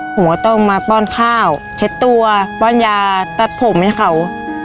ผมก็ต้องมาป้อนข้าวเช็ดตัวป้อนยาตัดผมให้เขา